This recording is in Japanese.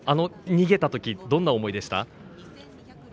逃げたときどんな思いでした？